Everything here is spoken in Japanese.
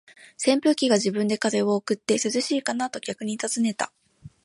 扇風機が自分で風を送って、「涼しいかな？」と客に尋ねた。